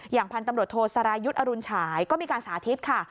พันธุ์ตำรวจโทสรายุทธ์อรุณฉายก็มีการสาธิตค่ะ